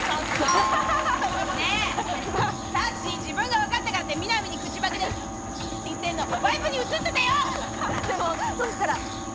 さっしー自分がわかったからって、みなみに口パクで言ってるのワイプに映ってたよ。